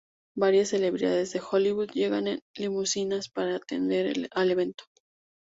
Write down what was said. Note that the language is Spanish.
Varias celebridades de Hollywood llegan en limusinas para atender al evento.